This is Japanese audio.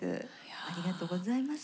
ありがとうございます。